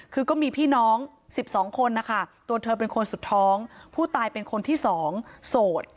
คือก็มีพี่น้อง๑๒คนนะคะตัวเธอเป็นคนสุดท้องผู้ตายเป็นคนที่๒โสด